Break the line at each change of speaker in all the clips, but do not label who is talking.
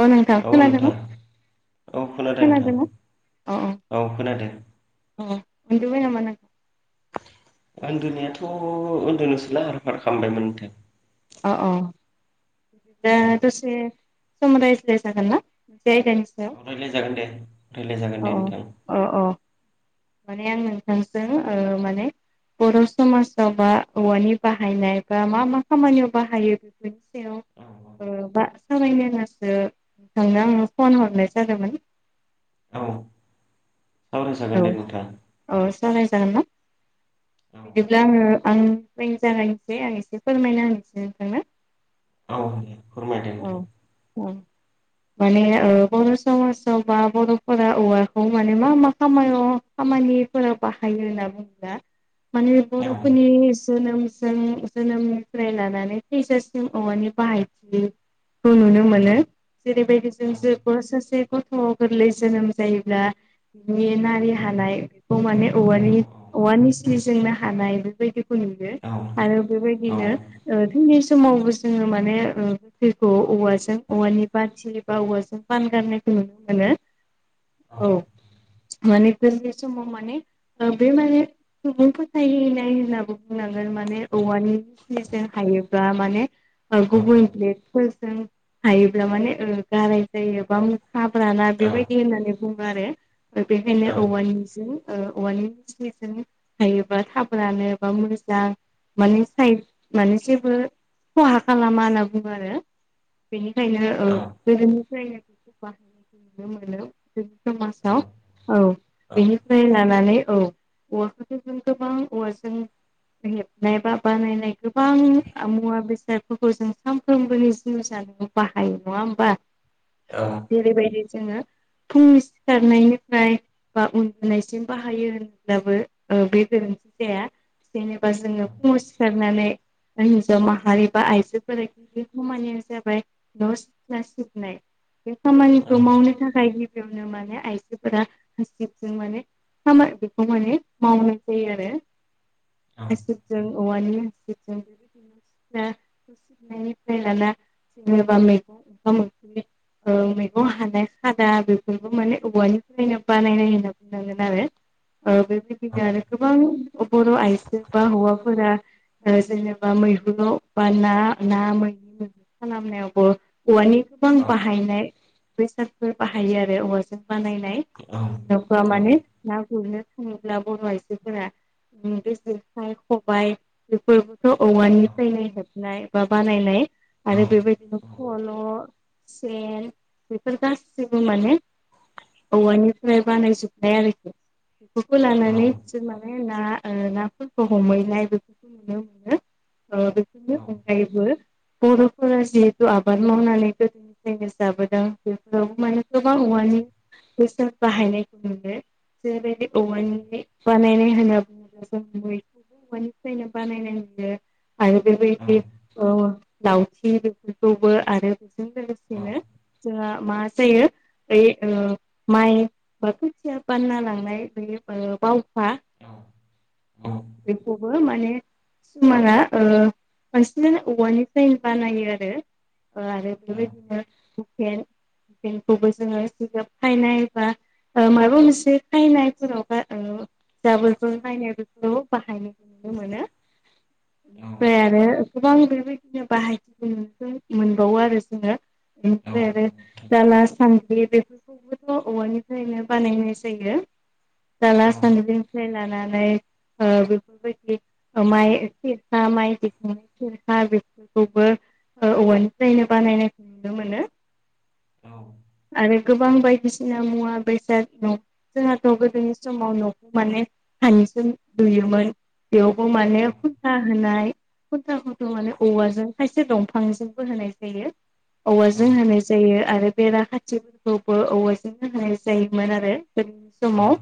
अ नोंथां
औ नोंथां
खोनादों।
औ खोनादों नोंथां
अ
औ खोनादों।
अ उनदुबाय नामा नों
उन्दुनायाथ' उन्दोनोसो लाहार फाहार खालामबायमोन नोंथां।
अ अ बिदिबा
औ
दसे सम रायज्लाय जागोन ना? मोनसे आयदानि सायाव
औ रायज्लायजागोन दे रायज्लायजागोन दे
अ औ
नोंथां
अ अ। माने आं नोंथांजों ओ माने बर' समाजाव बा औवानि बाहायनाय बा मा मा खामानियाव बाहायो बेफोरनि सायाव
औ
ओ बा सावरायनो होननासो नोंनो आं फन हरनाय जादोंमोन।
औ सावरायजागोन दे नोंथां।
जागोन ना
औ
बिदिब्ला आङो आं जागायसै आं एसे फोरमायना होनोसै नोंथांनो ।
औ दे फोरमायदो नोंथां।
औ माने ओ बर' समाजाव बा बर'फोरा औवाखौ माने मा मा खामान' खामानिफोराव बाहायो होनना बुङोब्ला माने
औ
बर'फोरनि जोनोमजों जोनोमनिफ्राय लानानै थैसासिम औवानि बाहायथि खौ नुनो मोनो। जेरैबायदि जों
औ
जेबा सासे गथ' गोरलै जोनोम जायोब्ला नि नारि हानाय बेखौ माने
औ
औवानि औवानि सिजोंनो हानाय बेबायदिखौ नु यो
औ
आरो
औ
बेबायदिनो थैनाय समावबो जोङो माने ओ गोथैखौ औवाजों जों औवानि बाथि बा औवाजों बान गारनायखौ नुनो मोनो औ। माने गोदोनि समाव माने बे माने सुबुं फोथायनाय होनाबो बुंनांगोन। ओ माने औवानि सिजोन हायोबा माने गुबुन ब्लेटफोरजों हायोब्ला माने ओ गाराय जायो बा मु हाब्राना बेबायदि होननानै बुङो आरो बेखायनो औवानिजों औवानि मिस्लिजों हायोबा थाबोनानो बा मुज्रा माने साइद माने जेबो खहा खालामा होनना बुङो आरो। बेनि खायनो गोदोनिफ्रायनो बेखौ बाहायनायखौ नुनो मोनो जोंनि समाजाव । औ बेनिफ्राय लानानै औ औवाफोरखौ जों गोबां औवाजों हेबनाय बा बानायनाय गोबां मुवा बेसादफोरखौ जों सानफ्रोमबोनि जिउ जा बाहायो नङा होम्बा? जेरैबायदि जोङो फुंनि सिखारनायनि फ्राय बा उन्दनायसिम बाहायो होनब्लाबो ओ बे गोरोन्थि जाया। जेनेबा जोङो फुङाव सिखारनानै हिनजाव माहारि बा आइजोफोरा खामानिया जाबाय न' सिख्ला सिबनाय । बे खामानिखौ मावनो थाखाय गिबियावनो माने आइजो फोरा हासिबजों माने खामा बेखौ माने मावनाय जायो आरो। हासिबजों औवानि हासिबजों सिबनायनिफ्राय लाना जेनेबा मैगं ओंखाम ओंख्रि औ मैगं हानाय खादा बेफोरबो माने औवानि नायनो बा नायनाय होनो बुंनांगोन आरो ओ बेबायदिनो आरो गोबां बर' आइजो बा हौवाफोरा जेनेबा मैहुराव बा ना ना मैनि मैहुर खालामनायावबो औवानि गोबां बाहायनाय बेसादफोर बाहायो आरो औवाजों बानायनाय हिनजावफ्रा माने ना गुरनो बुङोब्ला बर' आइजोफोरा जेखाइ खबायाइ बेफोर । औवानिफ्रायनो हेबनाय बा बानायनाय आरो बेबायदिनो फल' सेन बेफोर गासिबो माने औवानिफ्राय बानायजोबनाय आरोखि बेफोरखौ लानानै बिसोर माने ना ओ नाफोरखौ हमहैनाय बेफोरखौ नुनो मोनो ओ बेफोरनि अनगायैबो बर'फोरा जिहेथु आबाद मावनानै गोदोनिफ्रायनो जाबोदों बेफोरावबो माने गोबां
औ
औवानि बेसोर बाहायनायखौ मोनो जे बेदि
औ औ
औवानि बानायनाय होनोबा मोनसायनो बानायनांगो आरो बेबायदि लावथि बेफोरखौबो आरो बेजों लोगोसेनो जोंआ मा जायो बै ओ माइ बा खुन्थिया बानना लांनाय बे बा खा‌ बेखौबो माने सुमाना ओ बांसिनानो औवानिफ्रायनो बानायो आरो आरो बेबायदिनो हुखेन हुखेनखौबो जोङो जिगाब खायनाय बा माबा मोनसे फायनायफोराव बा ओ जाबोरफोर नायनायफोरखौ बाहायनायखौ नुनो मोनो ओमफ्राय आरो गोबां बेबायदिनो बाहायनाय मोनबावो आरो जोङो इनिफ्राय आरो दाला सानद्रि बे खौबोथ' औवानिफ्रायनो बानायनाय जायो दाला सान्द्रिनिफ्राय लानानै इमफाय ओ बेफोरबायदि माइ सेरखा माइ दिखांनाय सेरखा बेफोरखौबो औवानिफ्रायनो बानायनायखौ नुनो मोनो
औ
आरो गोबां बायदिसिना मुवा बेसाद जोंहाथ' गोदोनि समाव न'खौ माने हानिस लुयोमोन बेयावबो माने खुरसा होनाय खुनथाफोरखौ' माने औवाजों खायसे दंफांजोंबो होनाय जायो। औवाजों होनाय जायो आरो बेरा खाथिफोरखौबो औवाजोंनो होनाय जायोमोन आरो गोदोनि समाव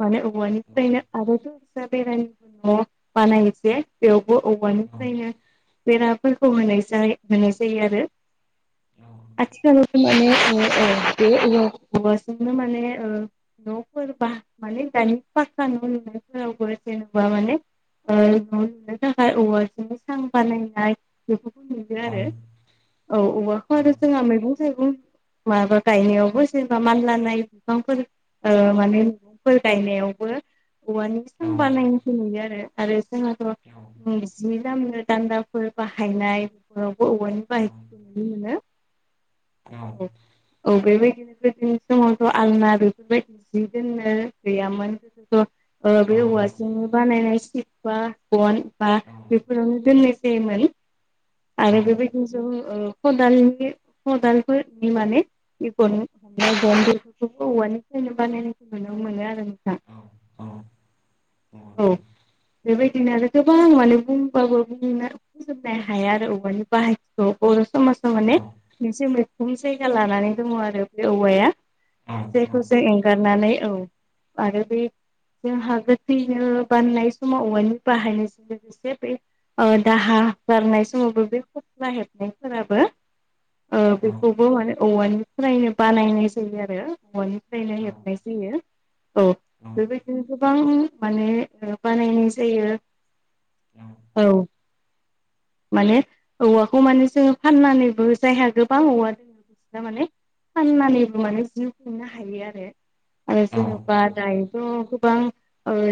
माने औवानिफ्रायनो आरोथ' बेरायबो न'आव बानायस बेयावबो औवानिफ्रायनो बेराफोरखौ होनाय होनाय जायो आरो आथिखालावथ' माने बे औ औवाजोंनो माने ओ न'फोर बा माने ओ दानि पाक्कानि न' लुनायफोरावबो जेनेबा माने ओ न' लुनो थाखाय औवाजोंनो सां बानायनाय बेफोरखौ नुयो आरो औ औवाखौ आरो जोंहा मैगं थाइगं माबा गायनायावबो जेनेबा मानलनाय बिफांफोर ओ माने मैगंफोर गायनायावबो औवानि जों बानायखौ नुयो आरो आरो जोंहाथ' जिनि दलामनो दान्दाफोर बाहायनाय बेफोरावबो औवानि बाहायनाय नुनै मोनो
औ
औ बेबायदिनो गोदोनि समावथ' आलना बेफोरबायदि जि दोननो गैयामोन गोदोथ' ओ बे‌ औवाजिं बानायनाय सिपा बन बा बेफोरावनो दोननाय जायोमोन। आरो बेबादिनो ज ओ खालनि खदालफोरनि माने गन्दफोरखौबो मानिफ्रायनो बानायनोखौ नुनो मोनो आरो नोंथां
अ
औ बेबायदिनो आरो गोबां माने बुंबाबो बुंजोबनो हाया आरो अबेवानि बाहायखौ बर' समाजाव माने मोनसे मैखोम जायगा लानानै दङ आरो बे औवाया जायखौ जों एंगारनानै औ आरो बे जोंहा गो थैनो बाननाय समाव औवानि बाहायनायजों लोगोसे बे दाहा गारनाय समावबो बे खस्ला हेबनायफोराबो ओ बेखौबो माने औवानिफ्रायनो बानायनाय जायो आरो औवानिफ्रायनो हेबनाय जायो औ बेबायदिनो गोबां माने बानायनाय जायो औ माने औवाखौ माने जोङो फाननानैबो जायहा गोबां औवा दंङ' बिसिना माने फाननानैबो माने जिउ खुंनो हायो आरो आरो जेबा दायोथ' गोबां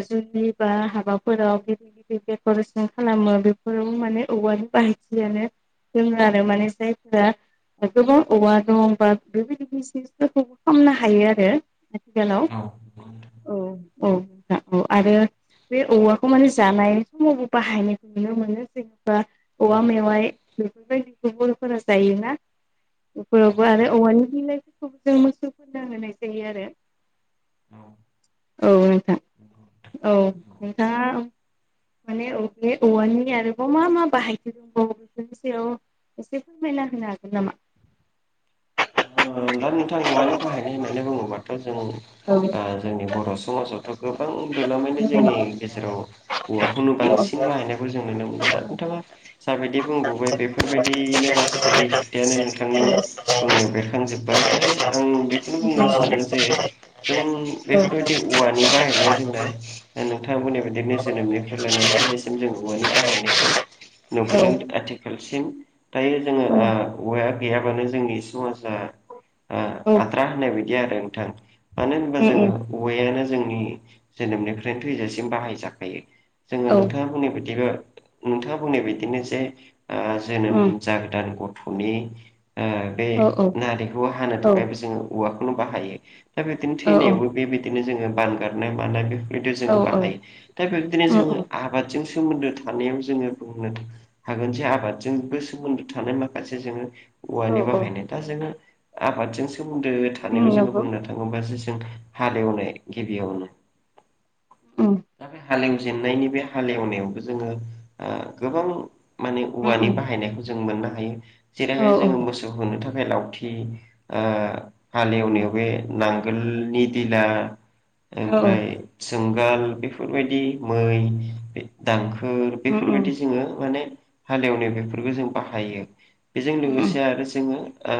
जुलिुलि बा हाबाफोराव [inaudible] देक'रेसन खालामो बेफोराव माने औवानि बाहायथियानो दोङो आरो माने जायफोरा गोबां औवा दं बा बेबायदि बिजनेसफोरखौबो खालामनो हायो आरो आथिखालाव औ औ औ आरो बे औवाखौ माने जानाय समावबो बाहायनायखौ नुनो मोनो जेनेबा औवा मेवाइ बेफोरबायदिखौ बर'फोरा जायोना बेफोरावबो आरो औवानि बिलाइफोरखौबो जों मोसौफोरनो होनाय जायो आरो औ नोंथां औ नोंथाङा माने अे औवानि आरोबाव मा मा बाहाय दंबावो बेफोरनि सायाव एसे फोरमायना होनो हागोन नामा?
दा नोंथां औवानि बाहायनाय होननानै बुङोबाथ' जों
औ
ओ जोंनि बर' समाजावथ' गोब गोबां जोंनि गेजेराव औवाखौनो बांसिन बाहायनायखौ जों नुनो मोनो दा नोंथाङा जाबायदि बुंबोबाय बेफोरबायदिनो गासै
औ
खोथायानो नोंथांनि बुंनो बेरखांजोब्बाय दा आं बेखौनो बुंनो सानो जे जों बेफोरबायदि औवा आंनि बाहायनाया जोंना नोंथांमोन्नि बिदिनो जोनोमनिफ्राय लानानै थैनायसिम जों औवानि बाहायनायखौ नुबोदों आथिखाल सिम दायो जोङो ओ औवाया गैयाबानो जोंनि समाजा ओ आद्रा होननाय बायदि आरो नोंथां मानो होनबा
उम
जोङो औवायानो जोंनि जोनोमनिफ्रायनो थैजासिम बाहायजाखायो जोङो
औ
नोंथाङा बुंनायबादिबा नोंथाङा बुंनाय बादिनो जे ओ जोनोम
उम
जागोदान गथ थ'नि बे
औ
नारिखौ हानो थाखायबो जोङो औवाखौनो बाहायो दा बिदिनो
औ
थैनायावबो बेबायदिनो जोङो बानगारनाय मानाय बिब्दिआव
औ
जोङो बाहायो
उम
दा बेबायदिनो जों
उम
आबादजों सोमोन्दो थानायाव जोङो बुंनो हागोन जे आबादजोंबो सोमोन्दो थानाय माखासे जोङो
औ
औवानि
उम
बाहाय आबादजों सोमोनदो थानायाव जोङो
नंगौ
बुंनो थाङोबा हालेवनाय गिबियावनो
उम
दा बे हालेव जेननायनि बे हालेवनायावबो जोङो गोबां -माने
उम
औवानि
उम
बाहायनायखौ जों मोननो हायो
औ
जेरैहाय
औ
जोङो
उम
मोसौ होनो था- खाय लावथि हालेवनायाव
उम
बे नांगोलनि दिला
औ औ
ओमफ्राय जोंगाल बेफोरबायदि मै दांखो
उम उम
बेफोरबायाददि जोङो माने हालेवनाय बेफोरखौ जों बाहायो -बेजों
उम उम
लोगोसे आरो जोङो ओ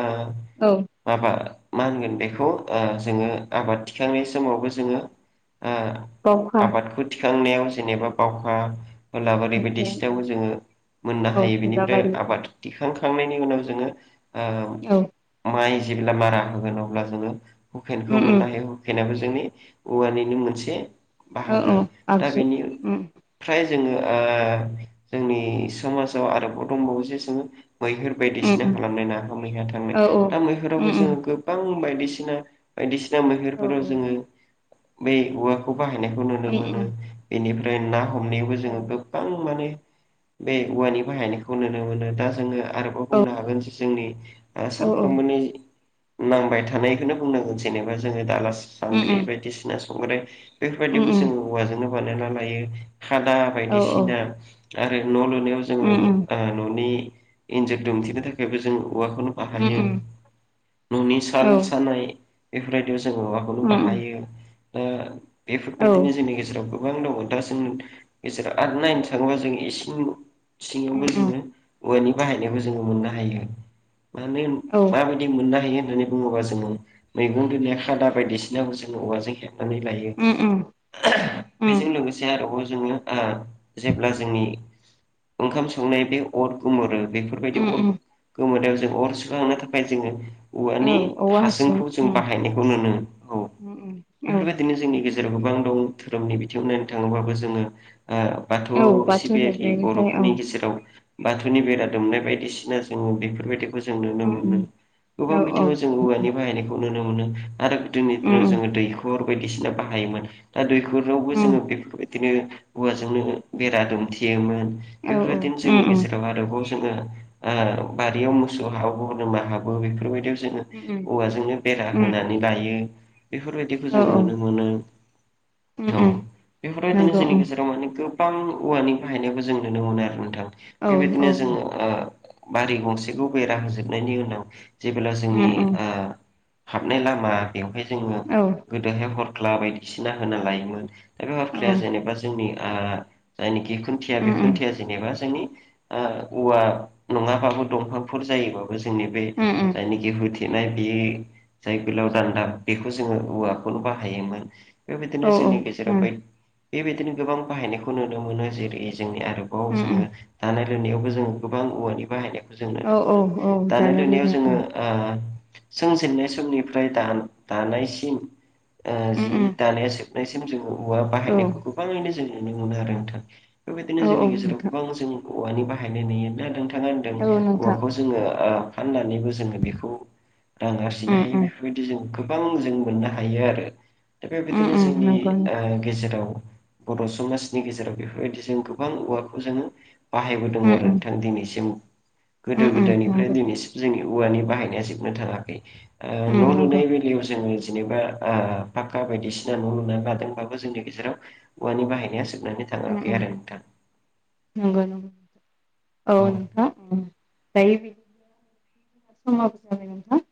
औ
माबा- मा होनगोन बेखौ जोङो आबाद थिखांनाय समावबो जोङो ओ
बावखा
आबादखौ थिखांनायाव जेनेबा बावखा होला बोरैबायदि सिथावबो जोङो मोननो
औ
हायो बिनिफ्राय
हुलाबारि
आबाद दिखां खांनायनि उनाव जोङो ओ
औ
माइ जेब्ला मारा होगोन अब्ला जोङो हुखेनखौ
उम उम
मोननो हायो हुखेनाबो जोंनि औवानिनो मोनसे
औ
बाहागो
औ
दा
आगजु उम
बेनिफ्राइ जोङो ओ जोंनि समाजाव आरोबाव दंबावोसो जे जों मैहुर
उम
बायदिसिना
उम
खालामनाय नाहा मैहा थांनाय
औ औ
दा
उम
मैहुरावबो
उम
जोङो गोबां बायदिसि बायदिसिना
औ
मैहुरफोराव जोङो बै औवाखौ बाहायनायखौ नुनो
उम उम
मोनो बेनिफ्राय ना हमनायावबो
औ
जोङो गोबां माने बे औवानि बाहायनायखौ नुनो मोनो दा जोङो आरोबाव
औ
बुंनो हागोन जे जोंनि
औ औ
सानफ्रोमबोनि नांबाय थानायखौनो बुंनांगोन जेनेबा जोङो दाला
उम
सान्द्रि बायदिसिना संग्राय
उम
बेफोरबायदिबो जोङो औवाजोंनो बानायना लायो खादा
औ
बायदिसिना आरो न' लुनायाव
उम
जोङो ओ न'नि इन्जुर दुमथेनो थाखाय औवाखौनो बाहायो
उम
न'नि
औ
साल सानाय बेफोरबायदियाव जों माबाखौनो
उम उम औ उम
बाहायो ओ
औ उम
बेफोरबायदिनो जोंनि गेजेराव गोबां दङ दा जों गेजेराव आरो नायनो थाङोबा जों इसिं सिंङावबो जोङो औवानि बाहायनायबो जोङो मोननो हायो मानो माबायदि मोननो हायो होननानै बुङोबा जोङो मैगं दोननाय खादा बायदिसिनाखौ जोङो औवाजों हे -नानै लायो बेजों
उम
लोगोसे आरोबाव जोङो ओ जेब्ला जोंनि ओंखाम संनाय बे अर गुमोरो बेफोरबायदि
उम
अर
उम
गोमोरनायाव जों अर सुखांनो थाखाय जोङो
औ
औवानि
औवा हासुं
हासुंखौ जों
उम
बाहायनायखौ नुयो औ
उम उम औ
बेफोरबायदिनो जोंनि गोबां दं धोरोमनि बिथिङाव नायनो थाङोबाबो जोङो ओ बाथौ
औ बाथौ
सिबियारि
हेबनायनिफ्राय औ उम
बर'फोरनि गेजेराव बाथौनि बेरा दुमनाय बायदिसिना जोङो बेफोरबायदि जों नुनो मोनो
उम
गोबां
औ औ
बिथिङाव जों
उम उम
औवानि बाहायनायखौ नुनो मोनो आरो गोदोनि दिनाव
उम
जोङो दैखर बायदिसिना बाहायोमोन दा दैखरावबो जोङो बेफोरबायदि -दिनो औवाजोंनो बेरा दुमथेयोमोन
औ उम
बेफोरबायदिनो जोंनि
उम उम
गेजेराव आरोबाव ओ बारियाव मोसौ हाबो बोरमा हाबो बेफोरबायदि जोङो
उम
औवाजोंनो बेरा होनानै लायो बेफोरबायदिखौ
औ
जों
उम
नुनो मोनो औ
उम
बेफोरबायदिनो
नंगौ
जोंनि
उम
गेजेराव माने गो गोबां औवानि बाहायनायखौ जों नुनो मोनो आरो नोंथां
औ औ
बेबायदिनो जोङो बारि गंसेखौ बेरा होजोबनायनि उनाव जेबोब्ला
उम
जोंनि
उम
ओ हाबनाय लामा बेवहाय जोङो
औ
गोदोहाय हरख्ला बायदिसिना होना लायोमोन दा बे
औ
हरख्लाया
उम
जेनेबा जोंनि जायनाखि खुन्थिया बे
उम
खुन्थिया जेनेबा जोंनि ओ औवा नङाबाबो दंफांफोर जायोबाबो जोंनि बे
उम उम
जायनाखि [unintelligible] बेयो जाय गोलाव दान्दा बेखौ जोङो औवाखौनो बाहायोमोन बेबायदिनो
औ औ
जोंनि गेजेराव
उम
बेबायदिनो गोबां बाहायनायखौ नुनो मोनो जेरै जोंनि आरोबाव
उम
जोङो
उम
दानाय लुनायावबो जोङो गोबां औवानि बाहायनायखौ
औ
जोंङो
औ औ
दानाय लुनायाव
लुनाय
जोङो
उम
ओ सों जेननाय समनिफ्राय दा दानायसिन
उम
जि
उम
दानाया जोबनायसिम जों औवा
औ
बाहायनायखौ गोबाङैनो जों नुनो मोनो आरो नोंथां बेबायदिनो
औ
जोंनि
औ
गेजेराव
नोंथां
गोबां जों औवानि बाहायनाय नुयोबा नाोंथाङा होनदों
औ नोंथां
औवाखौ जोङो ओ फाननानैबो जोङो बेखौ रां आरजिनो
उम
हायो
उम
बेफोरबायदि जों गोबां जों मोननो हायो आरो दा
उम
बेबायदिनो
उम
जोंनि
नंगौ
ओ गेजेराव बर' समाजनि गेजेराव बेफोरबायदि जों गोबां औवाखौ जोङो बाहायबोदों
उम
आरो
उम
नोंथां दिनैसिम गोदो
उम उम
गोदायनिफ्राय
नंगौ
दिनैसिम जोंनि औवानि बाहायनाया जोबनो थाङाखै
उम
न' लुनाय
नंगौ
बेलायाव जोङो जेनेबा फाक्का बायदिसिना न' लुनानै बादोंबाबो जोंनि गेजेराव औवानि बाहायनाय
नंगौ [unintelligible] औ नोंथां दायो बि जाब नोंथां [unintelligible]